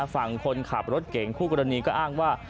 ฝั่งคนขับรถเก่งคู่กรณีก็อ้างว่า